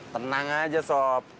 tenang aja sob